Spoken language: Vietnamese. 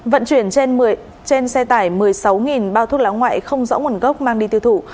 vận chuyển trên xe tải một mươi sáu bao thuốc lá ngoại không rõ nguồn gốc mang đi tiêu thụ